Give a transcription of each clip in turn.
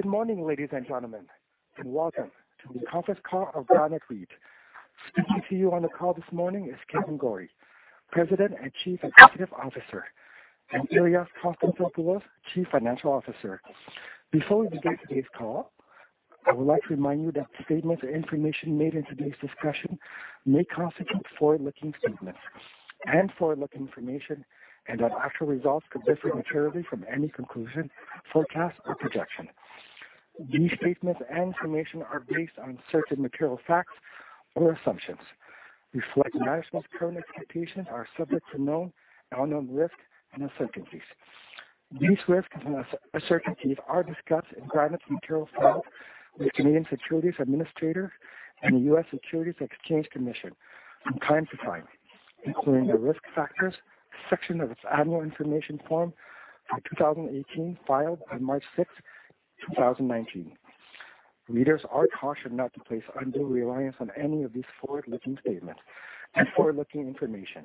Good morning, ladies and gentlemen, welcome to the conference call of Granite REIT. Speaking to you on the call this morning is Kevan Gorrie, President and Chief Executive Officer, and Ilias Konstantopoulos, Chief Financial Officer. Before we begin today's call, I would like to remind you that statements or information made in today's discussion may constitute forward-looking statements and forward-looking information, and that actual results could differ materially from any conclusion, forecast, or projection. These statements and information are based on certain material facts or assumptions, reflect management's current expectations, are subject to known and unknown risks and uncertainties. These risks and uncertainties are discussed in Granite's material filings with Canadian securities administrators and the U.S. Securities and Exchange Commission from time to time, including the Risk Factors section of its annual information form for 2018, filed on March 6th, 2019. Readers are cautioned not to place undue reliance on any of these forward-looking statements and forward-looking information.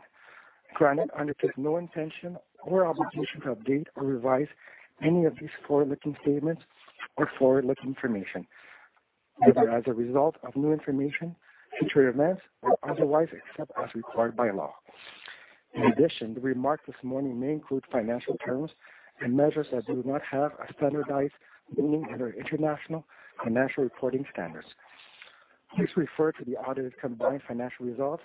Granite undertakes no intention or obligation to update or revise any of these forward-looking statements or forward-looking information, whether as a result of new information, future events or otherwise, except as required by law. In addition, the remarks this morning may include financial terms and measures that do not have a standardized meaning under International Financial Reporting Standards. Please refer to the audited combined financial results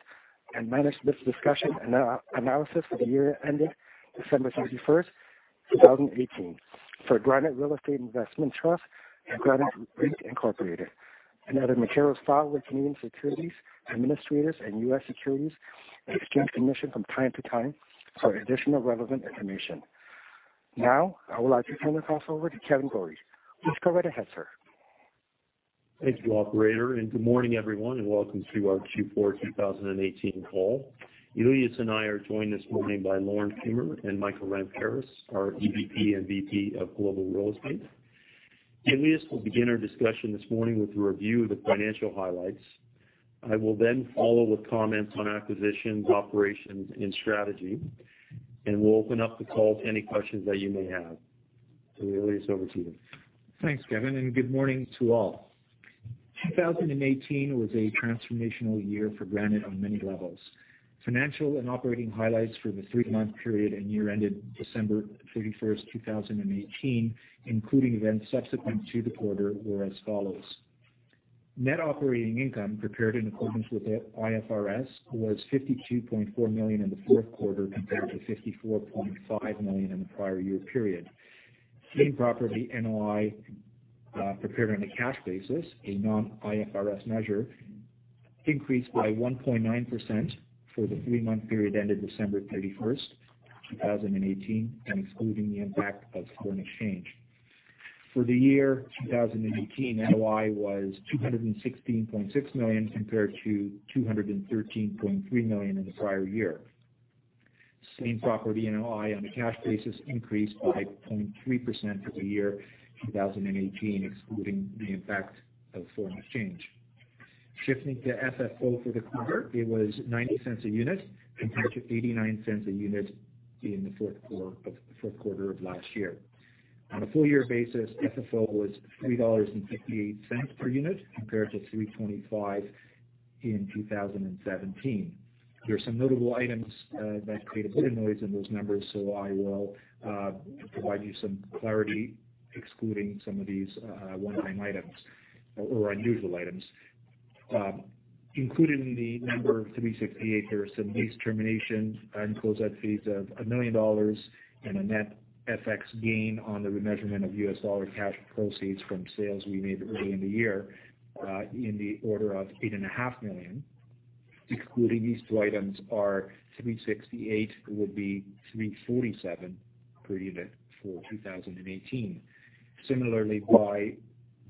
and management's discussion and analysis for the year ending December 31st, 2018 for Granite Real Estate Investment Trust and Granite REIT Inc. and other materials filed with Canadian securities administrators and U.S. Securities and Exchange Commission from time to time for additional relevant information. I would like to turn the call over to Kevan Gorrie. Please go right ahead, sir. Thank you, operator, good morning, everyone, welcome to our Q4 2018 call. Ilias and I are joined this morning by Lori-Ann Kramer and Michael Ramparas, our EVP and VP of Global Real Estate. Ilias will begin our discussion this morning with a review of the financial highlights. I will then follow with comments on acquisitions, operations, and strategy, we'll open up the call to any questions that you may have. Ilias, over to you. Thanks, Kevan, good morning to all. 2018 was a transformational year for Granite on many levels. Financial and operating highlights for the three-month period and year ended December 31st, 2018, including events subsequent to the quarter, were as follows. Net operating income prepared in accordance with IFRS was 52.4 million in the fourth quarter compared to 54.5 million in the prior year period. Same property NOI, prepared on a cash basis, a non-IFRS measure, increased by 1.9% for the three-month period ended December 31st, 2018, excluding the impact of foreign exchange. For the year 2018, NOI was 216.6 million compared to 213.3 million in the prior year. Same property NOI on a cash basis increased by 0.3% for the year 2018, excluding the impact of foreign exchange. Shifting to FFO for the quarter, it was 0.90 per unit compared to 0.89 per unit in the fourth quarter of last year. On a full-year basis, FFO was 3.58 dollars per unit compared to 3.25 in 2017. There are some notable items that create a bit of noise in those numbers. I will provide you some clarity, excluding some of these one-time items or unusual items. Included in the number of 3.68, there are some lease termination and close-out fees of 1 million dollars and a net FX gain on the remeasurement of U.S. dollar cash proceeds from sales we made early in the year, in the order of U.S. $8.5 million. Excluding these two items, our 3.68 would be 3.47 per unit for 2018. Similarly, by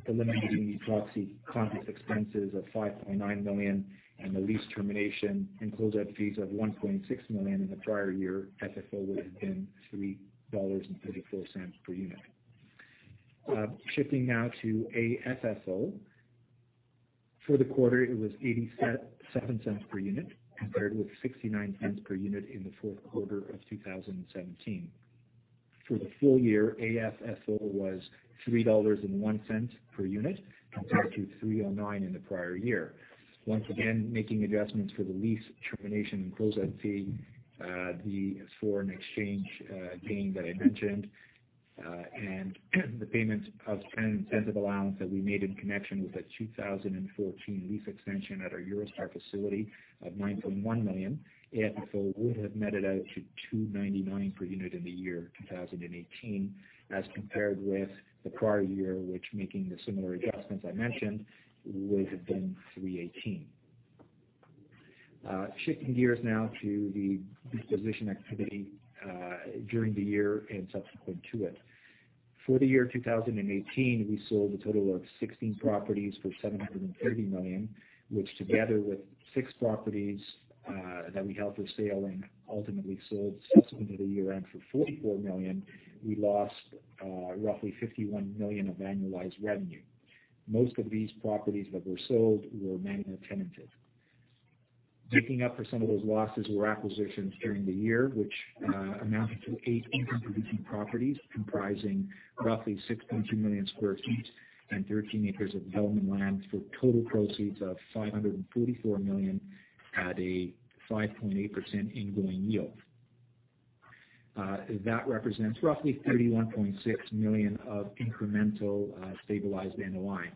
eliminating the proxy contest expenses of 5.9 million and the lease termination and close-out fees of 1.6 million in the prior year, FFO would have been 3.34 per unit. Shifting now to AFFO. For the quarter, it was 0.87 per unit compared with 0.69 per unit in the fourth quarter of 2017. For the full year, AFFO was 3.01 dollars per unit compared to 3.09 in the prior year. Once again, making adjustments for the lease termination and close-out fee, the foreign exchange gain that I mentioned, and the payments of incentive allowance that we made in connection with the 2014 lease extension at our Eurostar facility of 9.1 million, AFFO would have netted out to 2.99 per unit in the year 2018 as compared with the prior year, which making the similar adjustments I mentioned would have been 3.18. Shifting gears now to the disposition activity during the year and subsequent to it. For the year 2018, we sold a total of 16 properties for 730 million, which together with six properties that we held for sale and ultimately sold subsequent to the year-end for 44 million. We lost roughly 51 million of annualized revenue. Most of these properties that were sold were Magna-tenanted. Making up for some of those losses were acquisitions during the year, which amounted to 18 income-producing properties comprising roughly 6.2 million sq ft and 13 acres of development land for total proceeds of 544 million at a 5.8% ongoing yield. That represents roughly 31.6 million of incremental stabilized NOI.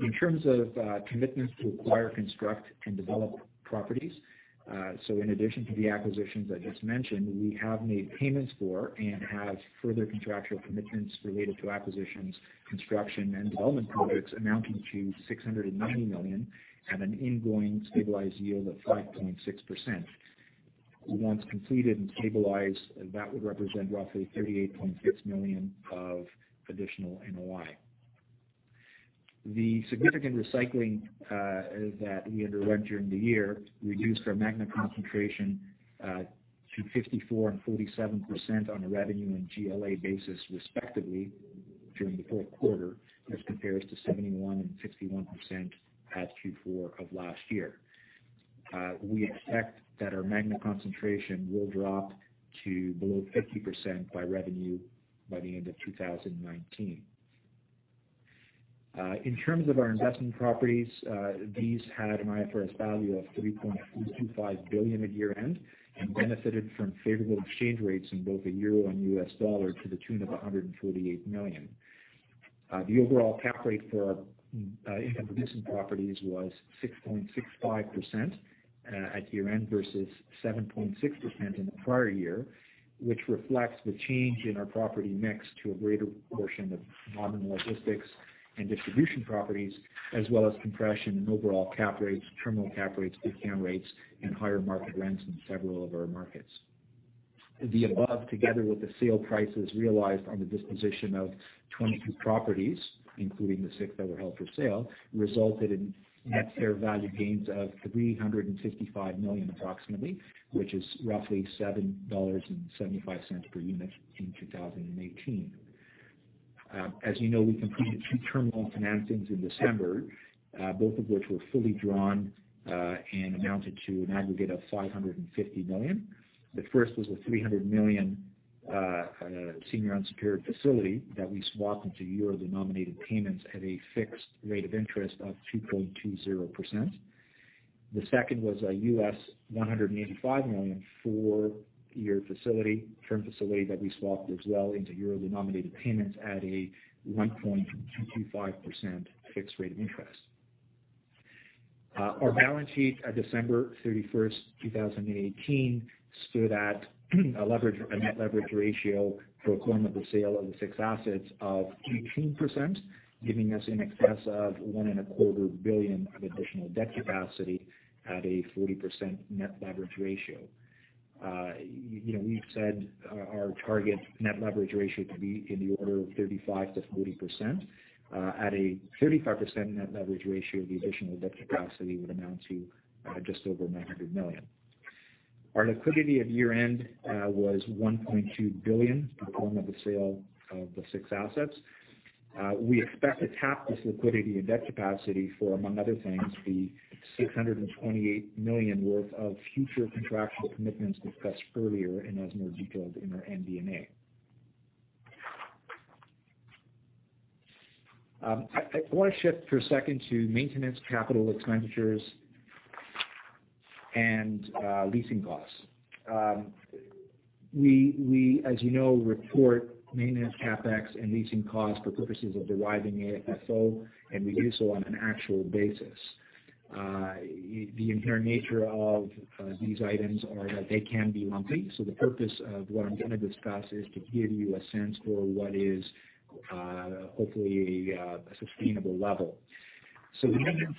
In terms of commitments to acquire, construct, and develop properties, in addition to the acquisitions I just mentioned, we have made payments for and have further contractual commitments related to acquisitions, construction, and development projects amounting to 690 million at an ongoing stabilized yield of 5.6%. Once completed and stabilized, that would represent roughly 38.6 million of additional NOI. The significant recycling that we underwent during the year reduced our Magna concentration to 54% and 47% on a revenue and GLA basis respectively during the fourth quarter, as compared to 71% and 61% at Q4 of last year. We expect that our Magna concentration will drop to below 50% by revenue by the end of 2019. In terms of our investment properties, these had an IFRS value of 3.225 billion at year-end and benefited from favorable exchange rates in both the EUR and U.S. dollar to the tune of 148 million. The overall cap rate for our income-producing properties was 6.65% at year-end versus 7.6% in the prior year, which reflects the change in our property mix to a greater portion of modern logistics and distribution properties, as well as compression in overall cap rates, terminal cap rates, cap rates, and higher market rents in several of our markets. The above, together with the sale prices realized on the disposition of 22 properties, including the six that were held for sale, resulted in net fair value gains of 355 million approximately, which is roughly $7.75 per unit in 2018. As you know, we completed two terminal financings in December, both of which were fully drawn and amounted to an aggregate of 550 million. The first was a 300 million senior unsecured facility that we swapped into EUR-denominated payments at a fixed rate of interest of 2.20%. The second was a U.S. $185 million 4-year term facility that we swapped as well into EUR-denominated payments at a 1.225% fixed rate of interest. Our balance sheet at December 31st, 2018, stood at a net leverage ratio for equivalent of sale of the six assets of 18%, giving us in excess of 1.25 billion of additional debt capacity at a 40% net leverage ratio. We've said our target net leverage ratio to be in the order of 35%-40%. At a 35% net leverage ratio, the additional debt capacity would amount to just over 900 million. Our liquidity at year-end was 1.2 billion before the sale of the six assets. We expect to tap this liquidity and debt capacity for, among other things, the 628 million worth of future contractual commitments discussed earlier and as more detailed in our MD&A. I want to shift for a second to maintenance capital expenditures and leasing costs. We, as you know, report maintenance CapEx and leasing costs for purposes of deriving AFFO, and we do so on an actual basis. The inherent nature of these items are that they can be lumpy. The purpose of what I'm going to discuss is to give you a sense for what is hopefully a sustainable level. The maintenance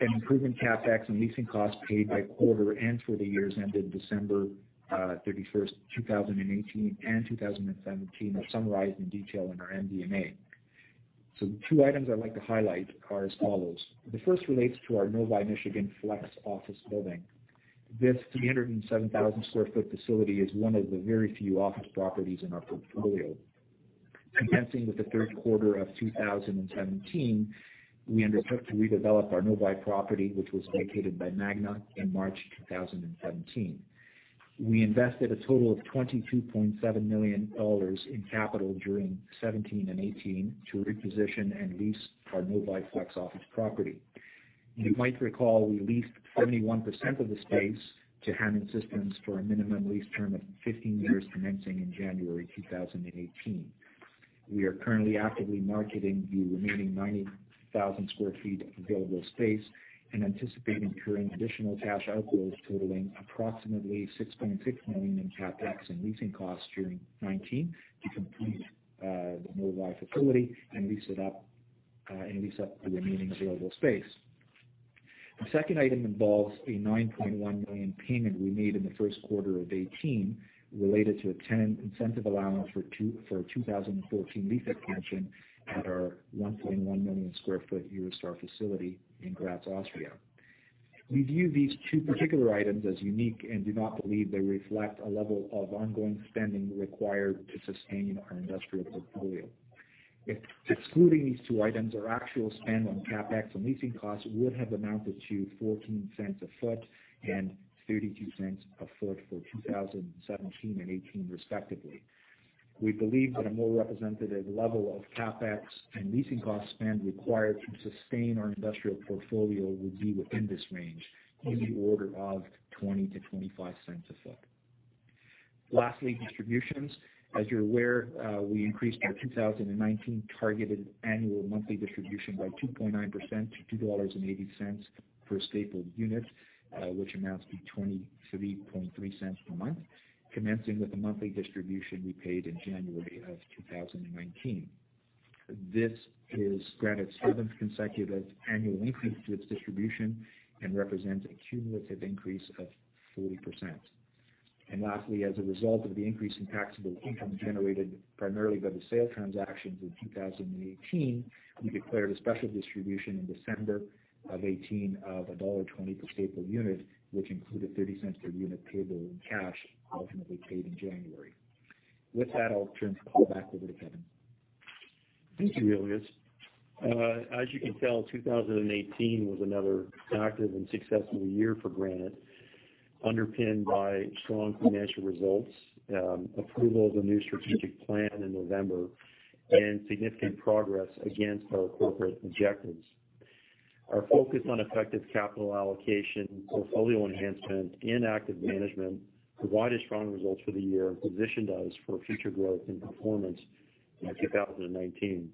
and improvement CapEx and leasing costs paid by quarter and for the years ended December 31st, 2018 and 2017 are summarized in detail in our MD&A. The two items I'd like to highlight are as follows. The first relates to our Novi, Michigan Flex office building. This 307,000 sq ft facility is one of the very few office properties in our portfolio. Commencing with the third quarter of 2017, we undertook to redevelop our Novi property, which was vacated by Magna in March 2017. We invested a total of $22.7 million in capital during 2017 and 2018 to reposition and lease our Novi Flex office property. You might recall we leased 71% of the space to Harman Systems for a minimum lease term of 15 years, commencing in January 2018. We are currently actively marketing the remaining 90,000 sq ft of available space and anticipate incurring additional cash outflows totaling approximately 6.6 million in CapEx and leasing costs during 2019 to complete the Novi facility and lease up the remaining available space. The second item involves a 9.1 million payment we made in the first quarter of 2018 related to a tenant incentive allowance for 2014 lease expansion at our 1.1 million sq ft Eurostar facility in Graz, Austria. We view these two particular items as unique and do not believe they reflect a level of ongoing spending required to sustain our industrial portfolio. Excluding these two items, our actual spend on CapEx and leasing costs would have amounted to 0.14 a foot and 0.32 a foot for 2017 and 2018, respectively. We believe that a more representative level of CapEx and leasing cost spend required to sustain our industrial portfolio would be within this range in the order of 0.20-0.25 a foot. Lastly, distributions. As you're aware, we increased our 2019 targeted annual monthly distribution by 2.9% to 2.80 dollars per stapled unit, which amounts to 0.233 per month, commencing with the monthly distribution we paid in January of 2019. This is Granite's seventh consecutive annual increase to its distribution and represents a cumulative increase of 40%. Lastly, as a result of the increase in taxable income generated primarily by the sale transactions in 2018, we declared a special distribution in December of 2018 of dollar 1.20 per stapled unit, which included 0.30 per unit payable in cash, ultimately paid in January. With that, I'll turn the call back over to Kevan. Thank you, Ilias. As you can tell, 2018 was another active and successful year for Granite, underpinned by strong financial results, approval of the new strategic plan in November, and significant progress against our corporate objectives. Our focus on effective capital allocation, portfolio enhancement, and active management provided strong results for the year and positioned us for future growth and performance in 2019.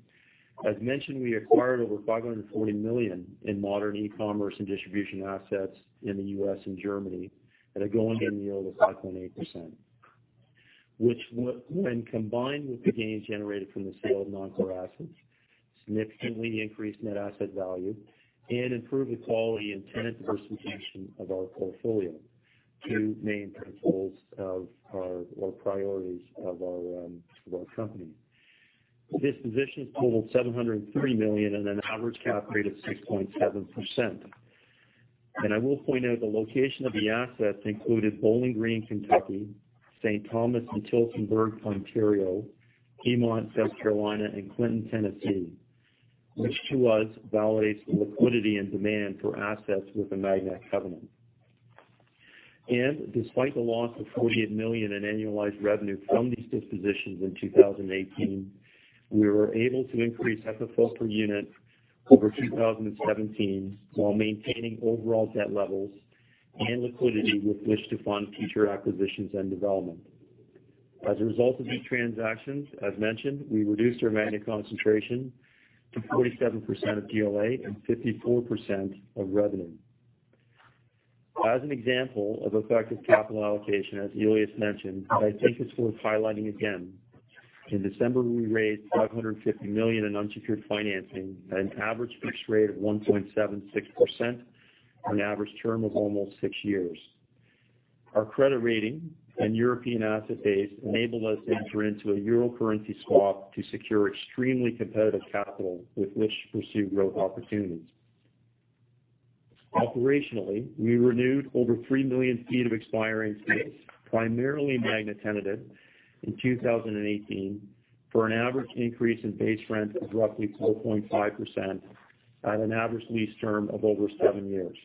As mentioned, we acquired over 540 million in modern e-commerce and distribution assets in the U.S. and Germany at a going-in yield of 5.8%, which, when combined with the gains generated from the sale of non-core assets, significantly increased NAV and improved the quality and tenant diversification of our portfolio. Two main principles of our priorities of our company. Dispositions totaled 730 million on an average cap rate of 6.7%. I will point out the location of the assets included Bowling Green, Kentucky, St. Thomas and Tillsonburg, Ontario, Duncan, South Carolina, and Clinton, Tennessee, which to us validates the liquidity and demand for assets with a Magna covenant. Despite the loss of 48 million in annualized revenue from these dispositions in 2018, we were able to increase FFO per unit over 2017 while maintaining overall debt levels and liquidity with which to fund future acquisitions and development. As a result of these transactions, as mentioned, we reduced our Magna concentration to 47% of GLA and 54% of revenue. As an example of effective capital allocation, as Ilias mentioned, I think it's worth highlighting again. In December, we raised 550 million in unsecured financing at an average fixed rate of 1.76% and average term of almost six years. Our credit rating and European asset base enabled us to enter into a Euro currency swap to secure extremely competitive capital with which to pursue growth opportunities. Operationally, we renewed over 3 million feet of expiring space, primarily Magna-tenanted, in 2018 for an average increase in base rent of roughly 12.5% at an average lease term of over 7 years,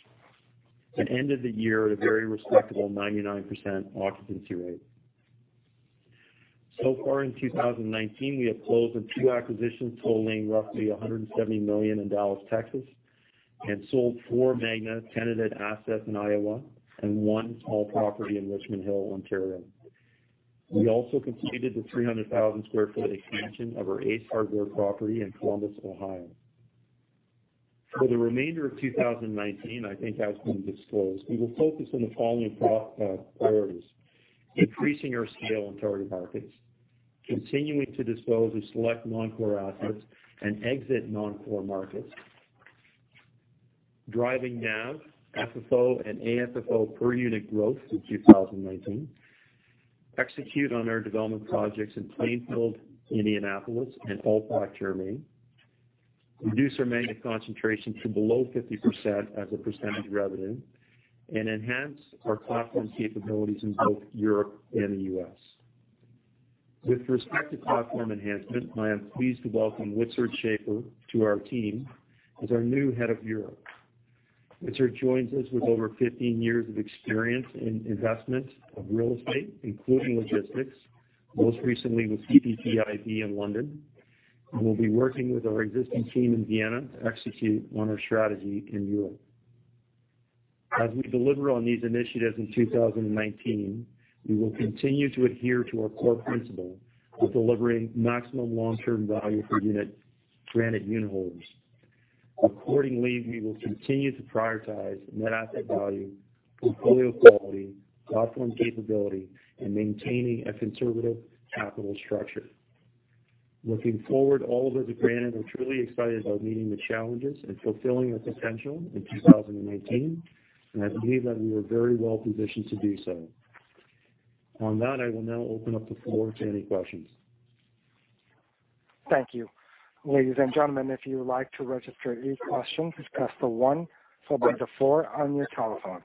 and ended the year at a very respectable 99% occupancy rate. So far in 2019, we have closed on two acquisitions totaling roughly 170 million in Dallas, Texas, and sold four Magna-tenanted assets in Iowa and one small property in Richmond Hill, Ontario. We also completed the 300,000 sq ft expansion of our Ace Hardware property in Columbus, Ohio. For the remainder of 2019, I think as been disclosed, we will focus on the following priorities. Increasing our scale in target markets. Continuing to dispose of select non-core assets and exit non-core markets. Driving NAV, FFO, and AFFO per unit growth in 2019. Execute on our development projects in Plainfield, Indianapolis, and Altbach, Germany. Reduce our Magna concentration to below 50% as a percentage of revenue, and enhance our platform capabilities in both Europe and the U.S. With respect to platform enhancement, I am pleased to welcome Wenzel Hoberg to our team as our new Head of Europe. Wenzel joins us with over 15 years of experience in investment of real estate, including logistics, most recently with CPPIB in London, and will be working with our existing team in Vienna to execute on our strategy in Europe. As we deliver on these initiatives in 2019, we will continue to adhere to our core principle of delivering maximum long-term value per unit to Granite unitholders. Accordingly, we will continue to prioritize net asset value, portfolio quality, platform capability, and maintaining a conservative capital structure. Looking forward, all of us at Granite are truly excited about meeting the challenges and fulfilling our potential in 2019, and I believe that we are very well positioned to do so. On that, I will now open up the floor to any questions. Thank you. Ladies and gentlemen, if you would like to register any questions, just press the one followed by the four on your telephone.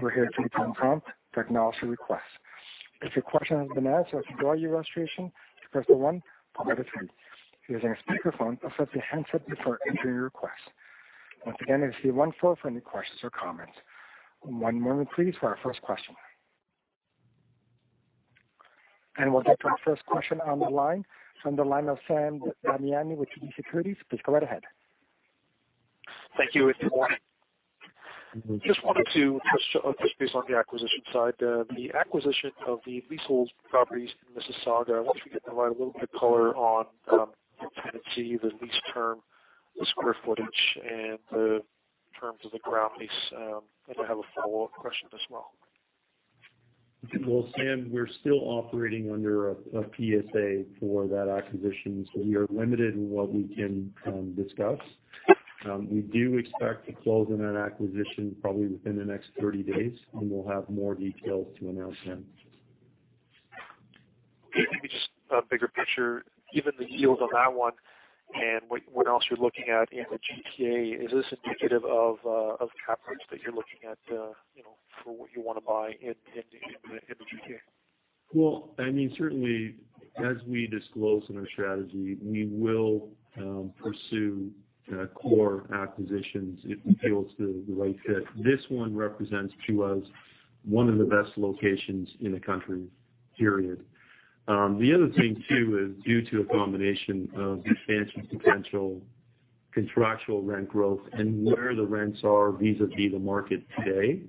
We're here to be prompt to acknowledge your request. If your question has been answered or to withdraw your registration, press the one followed by the three. If using a speakerphone, accept the handset before entering your request. Once again, it's the one-four for any questions or comments. One moment please for our first question. We'll get to our first question on the line from the line of Sam Damiani with TD Securities. Please go right ahead. Thank you. Good morning. Just wanted to touch base on the acquisition side, the acquisition of the leasehold properties in Mississauga. I wonder if you could provide a little bit of color on the tenancy, the lease term, the square footage, and the terms of the ground lease. I have a follow-up question as well. Well, Sam, we're still operating under a PSA for that acquisition. We are limited in what we can discuss. We do expect to close on that acquisition probably within the next 30 days. We'll have more details to announce then. Okay. Maybe just a bigger picture, given the yield on that one and what else you're looking at in the GTA, is this indicative of cap rates that you're looking at for what you want to buy in the GTA? Well, certainly, as we disclose in our strategy, we will pursue core acquisitions if it feels the right fit. This one represents to us one of the best locations in the country, period. The other thing too is due to a combination of expansion potential, contractual rent growth, and where the rents are vis-à-vis the market today,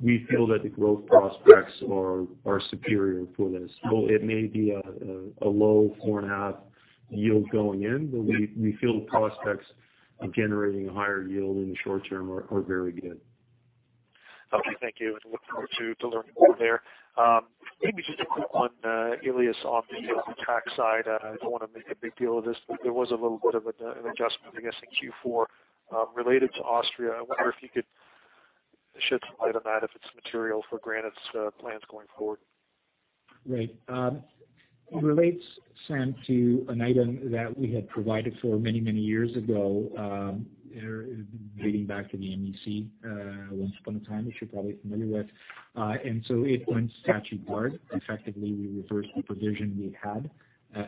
we feel that the growth prospects are superior for this. While it may be a low four and a half yield going in, we feel the prospects of generating a higher yield in the short term are very good. Okay. Thank you. Look forward to learning more there. Maybe just a quick one, Ilias, on the tax side. I don't want to make a big deal of this, but there was a little bit of an adjustment, I guess, in Q4 related to Austria. I wonder if you could shed some light on that, if it's material for Granite's plans going forward. Right. It relates, Sam, to an item that we had provided for many, many years ago, dating back to the MEC once upon a time, which you're probably familiar with. It went statute barred. Effectively, we reversed the provision we had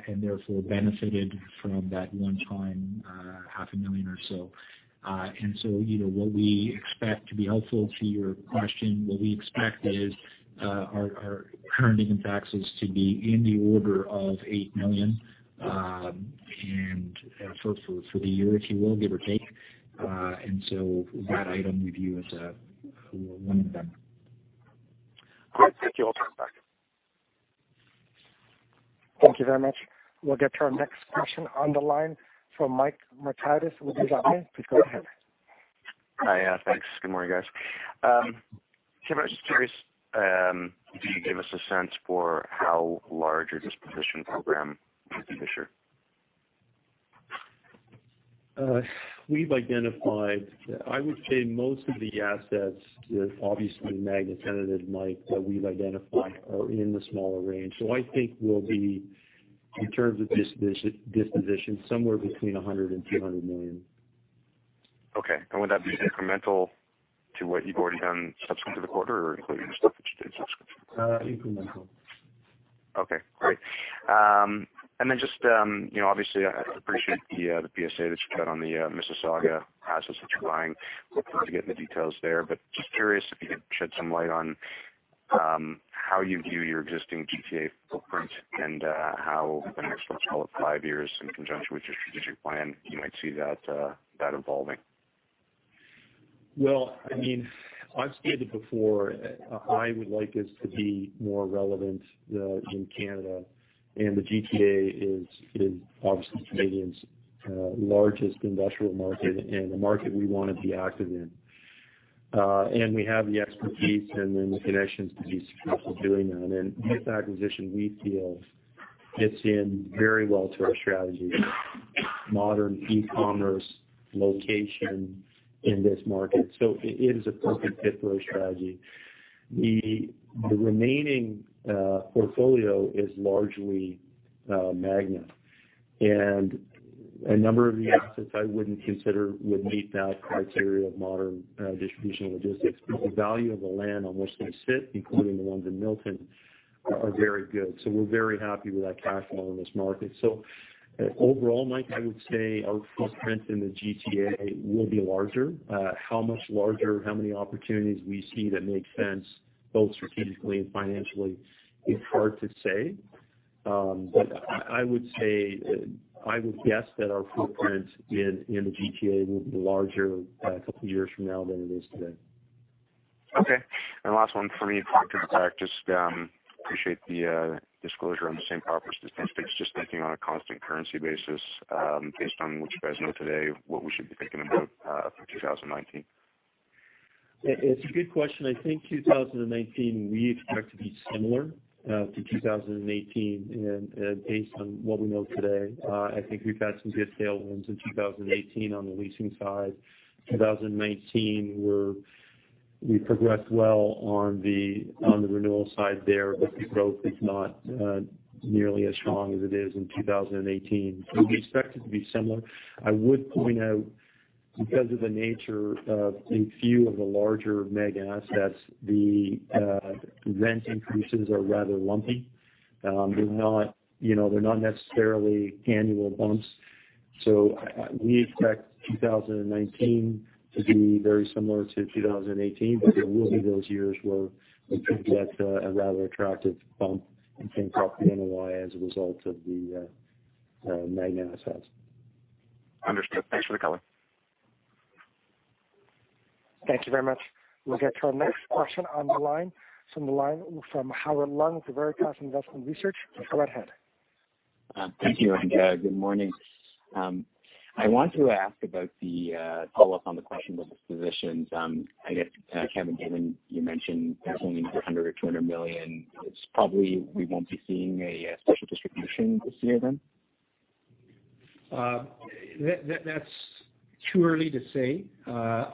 and therefore benefited from that one time, half a million or so. What we expect to be helpful to your question, what we expect is our current income taxes to be in the order of 8 million for the year, if you will, give or take. That item we view as one of them. Great. Thank you. I'll turn it back. Thank you very much. We'll get to our next question on the line from Mike Markidis with BMO. Please go ahead. Hi. Thanks. Good morning, guys. Kevan, I was just curious, can you give us a sense for how large your disposition program is this year? We've identified, I would say most of the assets that obviously Magna tenanted, Mike, that we've identified are in the smaller range. I think we'll be, in terms of disposition, somewhere between 100 million and 200 million. Okay. Would that be incremental to what you've already done subsequent to the quarter, or including the stuff that you did subsequent to the quarter? Incremental. Okay, great. Just obviously I appreciate the PSA that you've got on the Mississauga assets that you're buying. Looking to get the details there. Just curious if you could shed some light on how you view your existing GTA footprint and how in the next, let's call it five years in conjunction with your strategic plan, you might see that evolving. I've stated before, I would like us to be more relevant in Canada, and the GTA is obviously Canada's largest industrial market and the market we want to be active in. We have the expertise and then the connections to be successful doing that. This acquisition, we feel fits in very well to our strategy, a modern e-commerce location in this market. It is a perfect fit for our strategy. The remaining portfolio is largely Magna. A number of the assets I wouldn't consider would meet that criteria of modern distribution and logistics. The value of the land on which they sit, including the ones in Milton, are very good. We're very happy with our platform in this market. Overall, Mike, I would say our footprint in the GTA will be larger. How much larger, how many opportunities we see that make sense both strategically and financially is hard to say. I would guess that our footprint in the GTA will be larger a couple years from now than it is today. Okay. Last one from me. I'll turn it back. Just appreciate the disclosure on the same properties. Just thinking on a constant currency basis, based on what you guys know today, what we should be thinking about for 2019. It's a good question. I think 2019, we expect to be similar to 2018 based on what we know today. I think we've had some good tailwinds in 2018 on the leasing side. 2019, We progressed well on the renewal side there, but the growth is not nearly as strong as it is in 2018. We expect it to be similar. I would point out, because of the nature of a few of the larger Magna assets, the rent increases are rather lumpy. They're not necessarily annual bumps. We expect 2019 to be very similar to 2018. There will be those years where we could get a rather attractive bump in top NOI as a result of the Magna assets. Understood. Thanks for the color. Thank you very much. We'll get to our next question on the line from Howard Leung with Veritas Investment Research. Go ahead. Thank you. Good morning. I want to ask about the follow-up on the question of dispositions. I guess, Kevan, given you mentioned there's only another 100 million or 200 million, it's probably we won't be seeing a special distribution this year then? That's too early to say.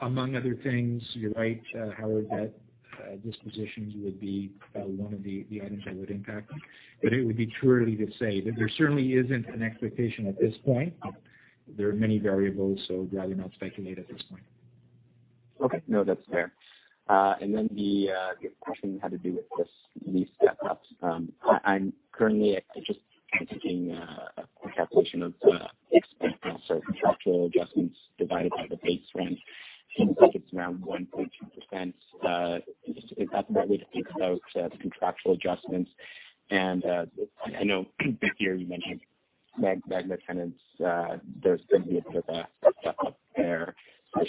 Among other things, you're right, Howard, that dispositions would be one of the items that would impact it. It would be too early to say. There certainly isn't an expectation at this point. There are many variables, I'd rather not speculate at this point. Okay. No, that's fair. The question had to do with this lease step-ups. I'm currently just taking a calculation of the expense, so contractual adjustments divided by the base rent. It seems like it's around 1.2%. That's what we think about the contractual adjustments. I know that here you mentioned Magna tenants, there's going to be a bit of a step-up there. It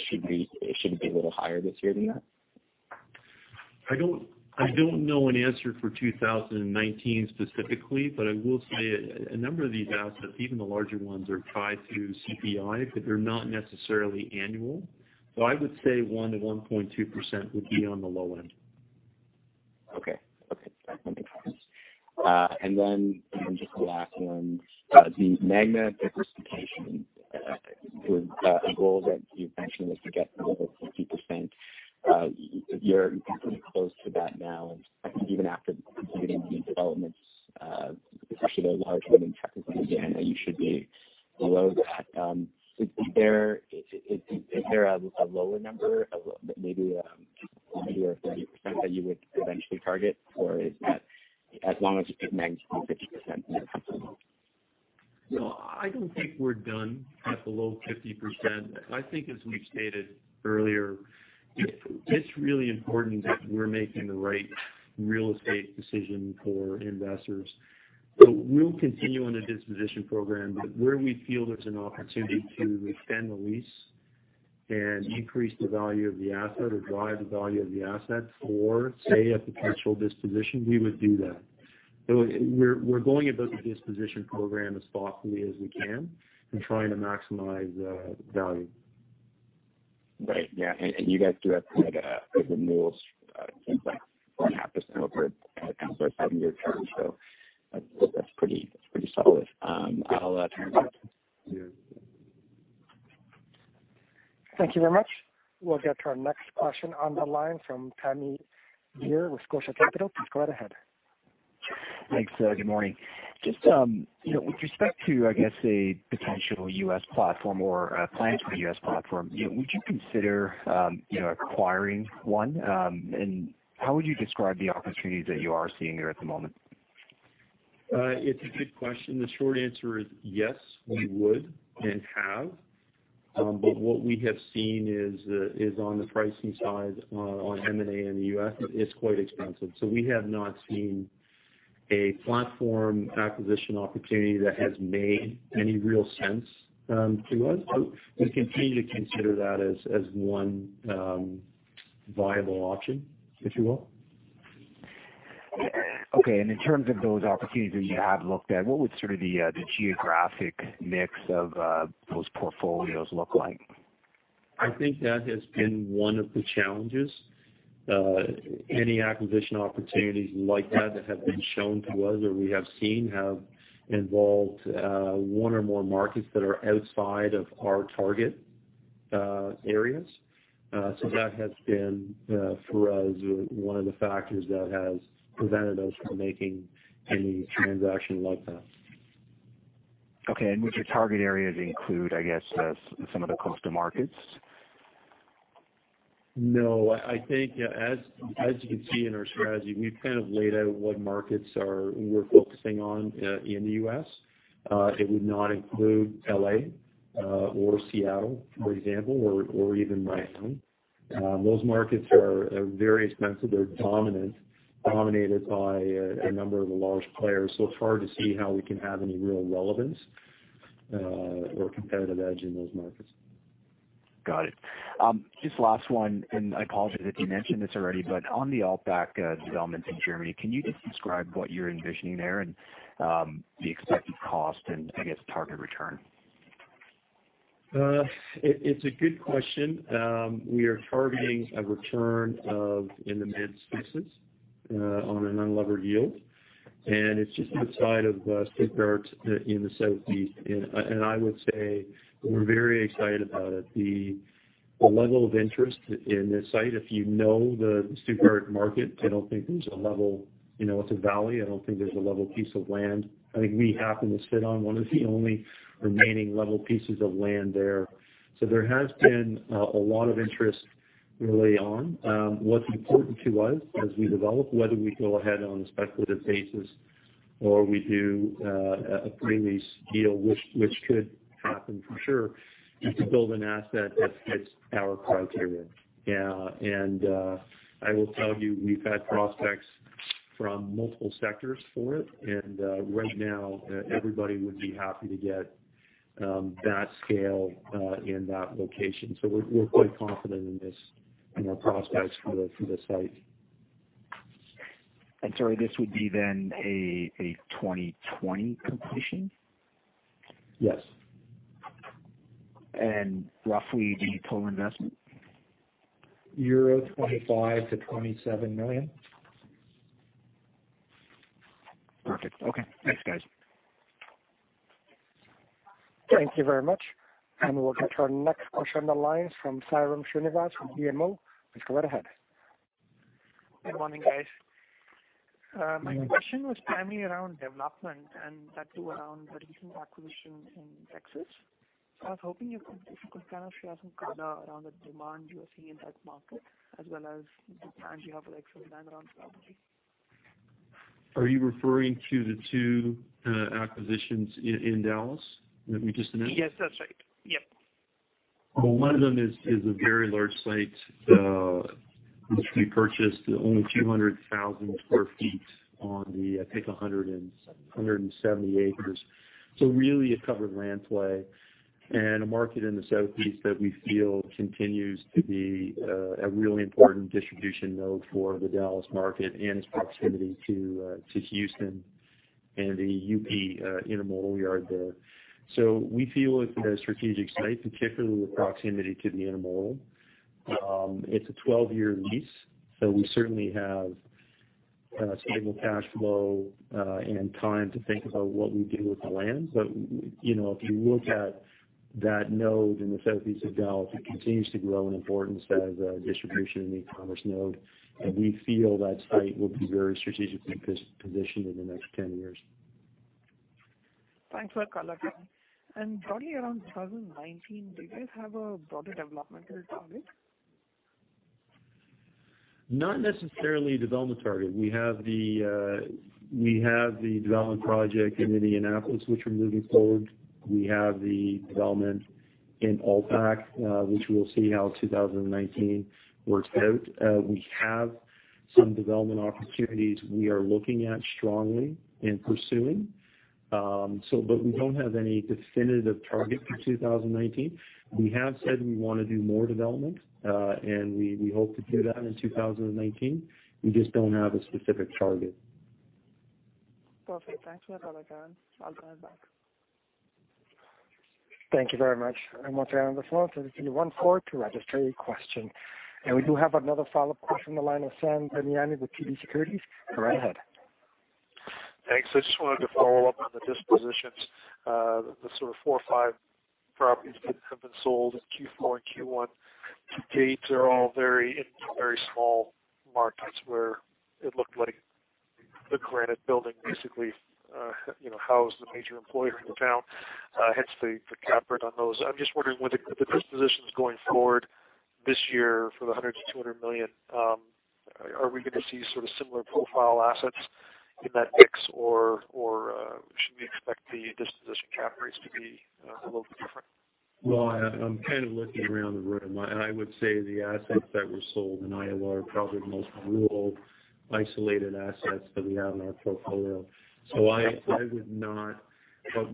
should be a little higher this year than that? I don't know an answer for 2019 specifically, but I will say a number of these assets, even the larger ones, are tied to CPI, but they're not necessarily annual. I would say 1%-1.2% would be on the low end. Okay. That makes sense. Just the last one. The Magna diversification with a goal that you mentioned was to get below 50%. You're pretty close to that now, I think even after completing these developments, especially the large one in Chattanooga, you should be below that. Is there a lower number, maybe 20% or 30%, that you would eventually target? Is that as long as it's Magna is below 50%, you're comfortable? No, I don't think we're done at below 50%. I think, as we stated earlier, it's really important that we're making the right real estate decision for investors. We'll continue on the disposition program, but where we feel there's an opportunity to extend the lease and increase the value of the asset or drive the value of the asset for, say, a potential disposition, we would do that. We're going about the disposition program as thoughtfully as we can and trying to maximize value. Right. Yeah. You guys do have quite a good renewals pipeline, 4.5% over a kind of five-year term. That's pretty solid. I'll turn it back. Yeah. Thank you very much. We'll get to our next question on the line from Pammi Bir with Scotia Capital. Please go right ahead. Thanks. Good morning. Just with respect to, I guess, a potential U.S. platform or plans for a U.S. platform, would you consider acquiring one? How would you describe the opportunities that you are seeing there at the moment? It's a good question. The short answer is yes, we would and have. What we have seen is on the pricing side on M&A in the U.S., it's quite expensive. We have not seen a platform acquisition opportunity that has made any real sense to us. We continue to consider that as one viable option, if you will. Okay. In terms of those opportunities that you have looked at, what would sort of the geographic mix of those portfolios look like? I think that has been one of the challenges. Any acquisition opportunities like that that have been shown to us or we have seen have involved one or more markets that are outside of our target areas. That has been, for us, one of the factors that has prevented us from making any transaction like that. Okay. Would your target areas include, I guess, some of the coastal markets? No. I think, as you can see in our strategy, we've kind of laid out what markets we're focusing on in the U.S. It would not include L.A. or Seattle, for example, or even Miami. Those markets are very expensive. They're dominated by a number of large players. It's hard to see how we can have any real relevance or competitive edge in those markets. Got it. Just last one, I apologize if you mentioned this already, on the Altbach developments in Germany, can you just describe what you're envisioning there and the expected cost and, I guess, target return? It's a good question. We are targeting a return of in the mid-singles on an unlevered yield. It's just outside of Stuttgart in the southeast. I would say we're very excited about it. The level of interest in this site, if you know the Stuttgart market, it's a valley. I don't think there's a level piece of land. I think we happen to sit on one of the only remaining level pieces of land there. There has been a lot of interest early on. What's important to us as we develop, whether we go ahead on a speculative basis or we do a pre-lease deal, which could happen for sure, is to build an asset that fits our criteria. I will tell you, we've had prospects from multiple sectors for it, and right now, everybody would be happy to get that scale in that location. We're quite confident in this, in our prospects for the site. Sorry, this would be then a 2020 completion? Yes. Roughly the total investment? EUR 25 million-EUR 27 million. Perfect. Okay. Thanks, guys. Thank you very much. We'll get our next question on the line from Sairam Srinivas from BMO. Please go right ahead. Good morning, guys. My question was primarily around development and that too around the recent acquisition in Texas. I was hoping if you could kind of share some color around the demand you are seeing in that market as well as the plans you have for the Texas land around property. Are you referring to the two acquisitions in Dallas that we just announced? Yes, that's right. Yep. One of them is a very large site, which we purchased only 200,000 sq ft on the, I think, 170 acres. Really a covered land play and a market in the southeast that we feel continues to be a really important distribution node for the Dallas market and its proximity to Houston and the UP Intermodal yard there. We feel it's a strategic site, particularly with proximity to the intermodal. It's a 12-year lease, so we certainly have stable cash flow and time to think about what we do with the land. If you look at that node in the southeast of Dallas, it continues to grow in importance as a distribution and e-commerce node. We feel that site will be very strategically positioned in the next 10 years. Thanks for the color, Kevan. Broadly around 2019, do you guys have a broader developmental target? Not necessarily a development target. We have the development project in Indianapolis, which we're moving forward. We have the development in Altbach, which we'll see how 2019 works out. We have some development opportunities we are looking at strongly and pursuing. We don't have any definitive target for 2019. We have said we want to do more development, and we hope to do that in 2019. We just don't have a specific target. Perfect. Thanks for the color, Kevan. I'll go ahead and hang up. Thank you very much. Once again, on the phone, press thirty-one four to register your question. We do have another follow-up question on the line of Sam Damiani with TD Securities. Go right ahead. Thanks. I just wanted to follow up on the dispositions, the sort of four or five properties that have been sold in Q4 and Q1. Two gates are all in very small markets where it looked like the Granite building basically housed the major employer in town, hence the cap rate on those. I'm just wondering with the dispositions going forward this year for the 100 million to 200 million, are we going to see sort of similar profile assets in that mix or should we expect the disposition cap rates to be a little different? I'm kind of looking around the room. I would say the assets that were sold in Iowa are probably the most rural, isolated assets that we have in our portfolio. I would not.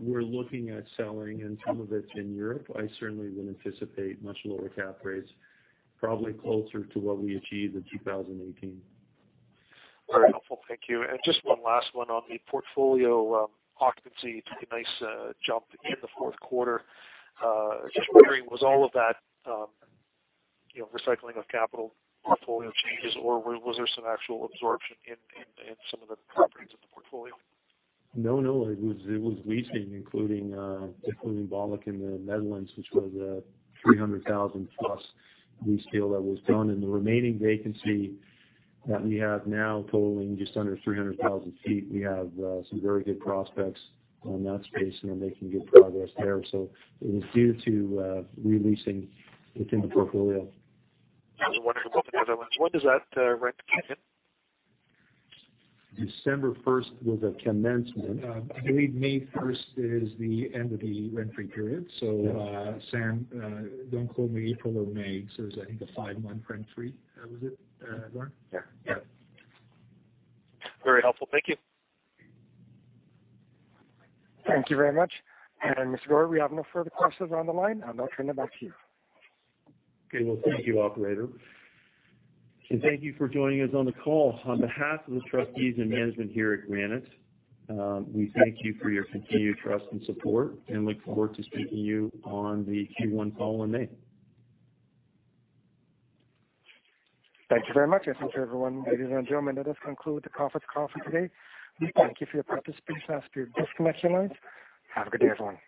We're looking at selling, and some of it's in Europe. I certainly wouldn't anticipate much lower cap rates, probably closer to what we achieved in 2018. Very helpful. Thank you. Just one last one on the portfolio occupancy. It took a nice jump in the fourth quarter. Just wondering, was all of that recycling of capital portfolio changes, or was there some actual absorption in some of the properties of the portfolio? No, no. It was leasing, including Bleiswijk in the Netherlands, which was a 300,000+ lease deal that was done. The remaining vacancy that we have now totaling just under 300,000 feet, we have some very good prospects on that space, and we're making good progress there. It was due to re-leasing within the portfolio. I was wondering about the Netherlands. When does that rent begin? December 1st was a commencement. I believe May 1st is the end of the rent-free period. Sam, don't quote me April or May. It's, I think, a five-month rent free. Was it, Kevan? Yeah. Very helpful. Thank you. Thank you very much. Mr. Gorrie, we have no further questions on the line. I'll now turn it back to you. Well, thank you, operator. Thank you for joining us on the call. On behalf of the trustees and management here at Granite, we thank you for your continued trust and support and look forward to speaking to you on the Q1 call in May. Thank you very much. Thanks everyone. Ladies and gentlemen, that does conclude the conference call for today. We thank you for your participation. Please disconnect your lines. Have a good day, everyone.